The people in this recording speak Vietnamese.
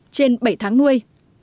trên bảy tháng nuôi